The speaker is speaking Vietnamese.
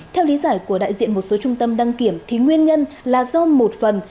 theo lý giải của đại diện một số trung tâm đăng kiểm thì nguyên nhân là do một phần